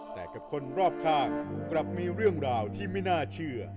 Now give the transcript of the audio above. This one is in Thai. แต่กับคนรอบข้างกลับมีเรื่องราวที่ไม่น่าเชื่อ